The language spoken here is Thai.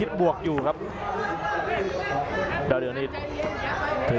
อัศวินาศาสตร์